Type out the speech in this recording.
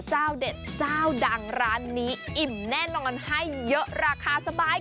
เจ้าเด็ดเจ้าดังร้านนี้อิ่มแน่นอนให้เยอะราคาสบาย